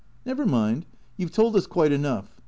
" Never mind. You 've told us quite enough.